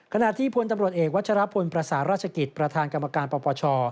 ขณะที่พลตำรวจเอกวัชรพลประสาราชกิจประธานกรรมการปปช